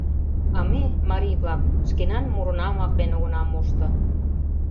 А ме, марий-влак, шкенан мурынам аклен огына мошто.